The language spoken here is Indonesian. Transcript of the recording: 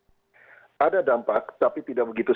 barangkali kami disini kepada anda mel pickles kertas rumen kamera